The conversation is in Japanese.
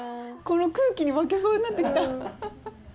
この空気に負けそうになって来た。